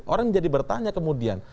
orang jadi bertanya kemudian